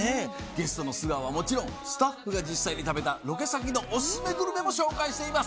ゲストの素顔はもちろんスタッフが実際に食べたロケ先のオススメグルメも紹介しています。